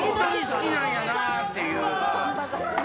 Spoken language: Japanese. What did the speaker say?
好きなんやな！っていう。